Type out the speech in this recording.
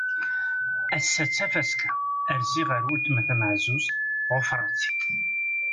Ass-a d tafaska, rziɣ ɣer uletma tamaẓuẓt, ɣufreɣ-tt-id.